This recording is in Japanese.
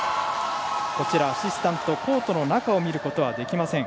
アシスタントはコートの中を見ることができません。